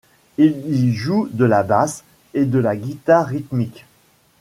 Il y joue de la basse et de la guitare rythmique.